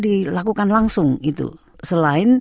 dilakukan langsung itu selain